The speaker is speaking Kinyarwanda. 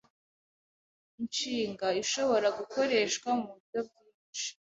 inshinga ishobora gukoreshwa mu buryo bwinshi